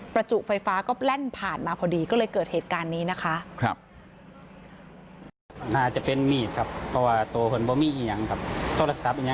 จุไฟฟ้าก็แล่นผ่านมาพอดีก็เลยเกิดเหตุการณ์นี้นะคะ